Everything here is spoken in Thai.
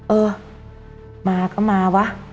เออมาก็มาวะ